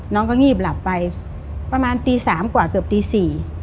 น้องก็งีบหลับไปประมาณตีสามกว่าเกือบตีสี่